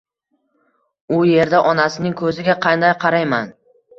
U yerda onasining koʻziga qanday qarayman?!